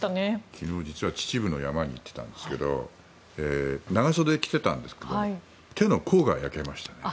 昨日、実は秩父の山に行っていたんですけど長袖を着てたんですが手の甲が焼けましたね。